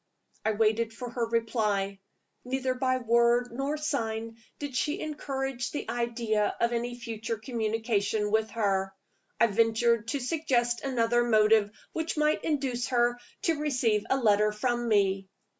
I waited for her reply. Neither by word nor sign did she encourage the idea of any future communication with her. I ventured to suggest another motive which might induce her to receive a letter from me.